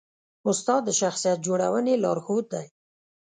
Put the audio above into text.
استاد د شخصیت جوړونې لارښود دی.